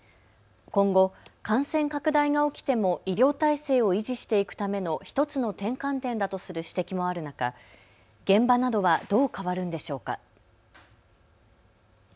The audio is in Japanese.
今後、感染拡大が起きても医療体制を維持していくための１つの転換点だとする指摘もある中、現場などはどう変わるんでしょうか。